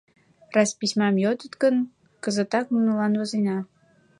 — Раз письмам йодыт гын, кызытак нунылан возена...